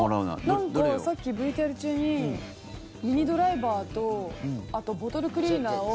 なんか、さっきＶＴＲ中にミニドライバーとあとボトルクリーナーを。